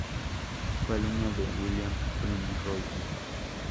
Fue alumno de William Primrose.